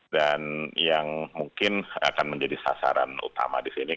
dan yang mungkin akan menjadi sasaran utama di sini